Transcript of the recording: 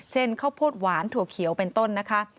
ข้าวโพดหวานถั่วเขียวเป็นต้นนะคะ